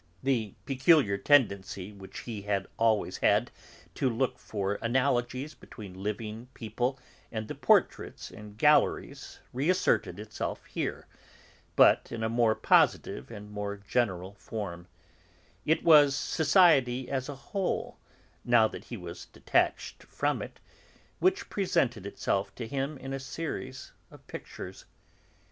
The peculiar tendency which he had always had to look for analogies between living people and the portraits in galleries reasserted itself here, but in a more positive and more general form; it was society as a whole, now that he was detached from it, which presented itself to him in a series of pictures.